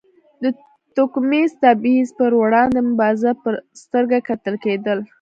د توکمیز تبیض پر وړاندې مبارز په سترګه کتل کېدل.